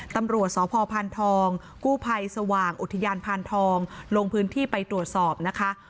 ตำรวจสพพานทองกู้ภัยสว่างอุทยานพานทองลงพื้นที่ไปตรวจสอบนะคะ